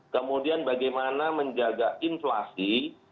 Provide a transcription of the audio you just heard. kemudian bagaimana menjaga inflasi